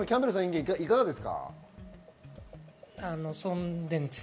いかがですか？